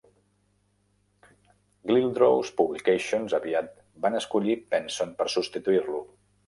Glidrose Publications aviat van escollir Benson per substituir-lo.